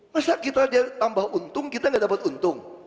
masa kita tambah untung kita nggak dapat untung